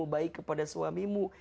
baik kepada suamimu